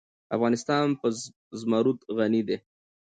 افغانستان په زمرد غني دی.